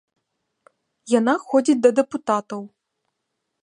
Яна ходзіць да дэпутатаў.